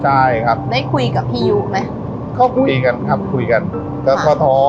ใช่ครับได้คุยกับพี่ยุไหมก็คุยกันครับคุยกันก็ก็ท้อ